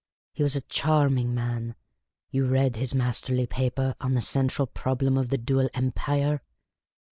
He was a charming man. You read his masterly paper on the Central Problem of the Dual Empire